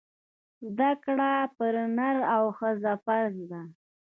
زده کړه پر نر او ښځي فرځ ده